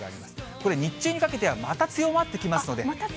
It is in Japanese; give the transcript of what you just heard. これ、日中にかけてはまた強まってきますので。